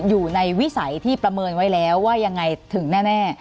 วิสัยที่ประเมินไว้แล้วว่ายังไงถึงแน่